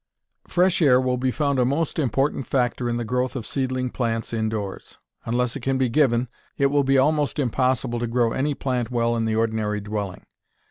Fresh air will be found a most important factor in the growth of seedling plants indoors. Unless it can be given it will be almost impossible to grow any plant well in the ordinary dwelling.